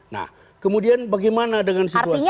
nah kemudian bagaimana dengan situasi